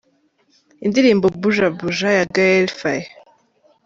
Indirimbo Bouge a Bouja ya Gaël Faye .